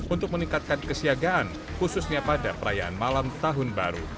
untuk meningkatkan kesiagaan khususnya pada perayaan malam tahun baru